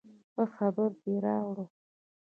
ښه خبر دې راوړ